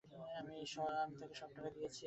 আমি তাকে সব টাকা দিয়েছি।